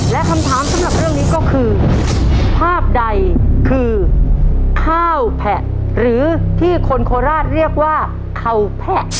และคำถามสำหรับเรื่องนี้ก็คือภาพใดคือข้าวแผะหรือที่คนโคราชเรียกว่าเข่าแพะ